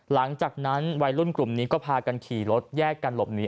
หลังจากนั้นวัยรุ่นกลุ่มนี้ก็พากันขี่รถแยกกันหลบหนี